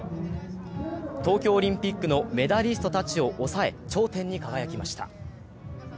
東京オリンピックのメダリストたちを抑え、頂点に輝きました。